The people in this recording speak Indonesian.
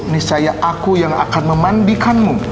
nisaya aku yang akan memandikanmu